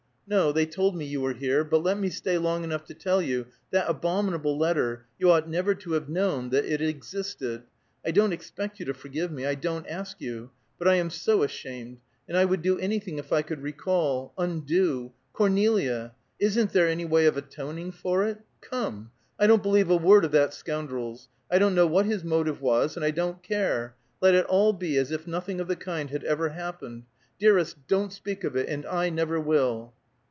"No, they told me you were here; but let me stay long enough to tell you That abominable letter you ought never to have known that it existed. I don't expect you to forgive me; I don't ask you; but I am so ashamed; and I would do anything if I could recall undo Cornelia! Isn't there any way of atoning for it? Come! I don't believe a word of that scoundrel's. I don't know what his motive was, and I don't care. Let it all be as if nothing of the kind had ever happened. Dearest, don't speak of it, and I never will!"